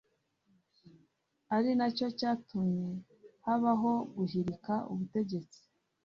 ari nacyo cyatumye habaho guhirika ubutegetsi